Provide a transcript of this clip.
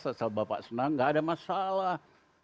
sesal bapak senang gak ada masalah